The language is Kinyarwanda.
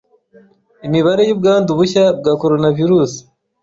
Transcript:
Imibare y’ubwandu bushya bwa Coronavirus